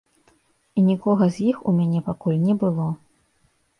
І нікога з іх у мяне пакуль не было.